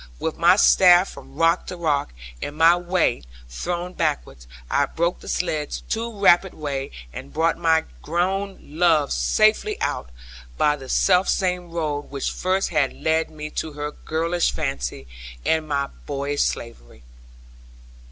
With my staff from rock to rock, and my weight thrown backward, I broke the sledd's too rapid way, and brought my grown love safely out, by the selfsame road which first had led me to her girlish fancy, and my boyish slavery.